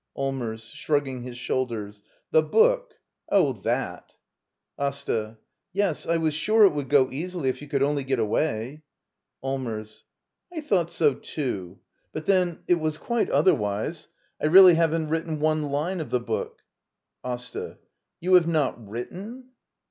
Allmers. [Shrugging his shoulders.] The book—? Oh, that — Asta. Yes; I was sure it would go easily if you could only get away, Allmers. I thought so, too. But, then — it was quite otherwise. I really haven't written one line of the booL Asta. You have not written —?